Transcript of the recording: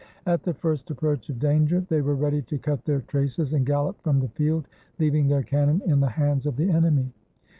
At the first approach of danger, they were ready to cut their traces and gallop from the field, leaving their cannon in the hands of the enemy.